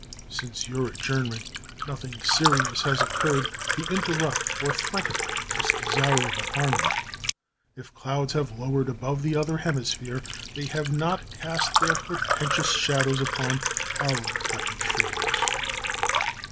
Since your adjournment nothing serious has occurred to interrupt or threaten this desirable harmony. If clouds have lowered above the other hemisphere, they have not cast their portentous shadows upon our happy shores.